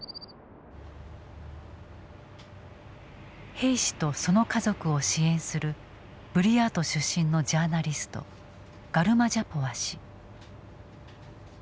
兵士とその家族を支援するブリヤート出身のジャーナリストガルマジャポワ氏。